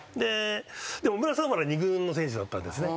でも村田さんは二軍の選手だったんですね。